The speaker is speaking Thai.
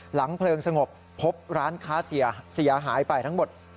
เพลิงสงบพบร้านค้าเสียหายไปทั้งหมด